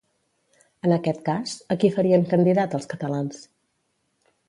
En aquest cas, a qui farien candidat els catalans?